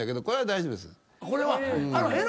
これは大丈夫です。